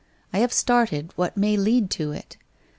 I have started what may lead to it.